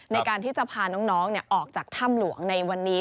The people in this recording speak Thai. ในการที่จะพาน้องออกจากถ้ำหลวงในวันนี้